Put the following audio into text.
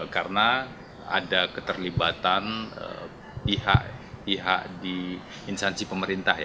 karena ada keterlibatan pihak pihak di instansi pemerintah